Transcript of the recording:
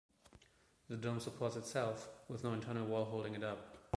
The dome supports itself, with no internal wall holding it up.